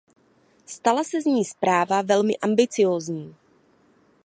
Stala se z ní zpráva velmi ambiciózní.